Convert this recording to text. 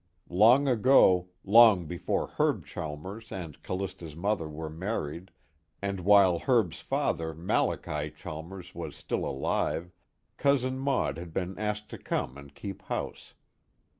Long ago, long before Herb Chalmers and Callista's mother were married and while Herb's father Malachi Chalmers was still alive, Cousin Maud had been asked to come and keep house.